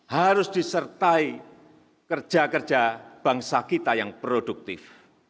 harus disertai kerja kerja bangsa kita yang produktif